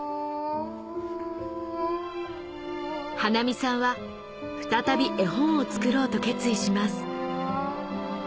華実さんは再び絵本を作ろうと決意します